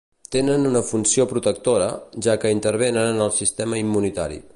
Tenen una funció protectora, ja que intervenen en el sistema immunitari.